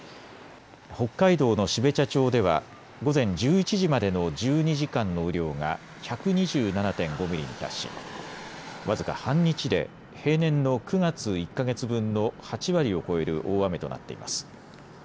北海道の標茶町では午前１１時までの１２時間の雨量が１２７．５ミリに達し僅か半日で平年の９月１か月分の８割を超える大雨となっています。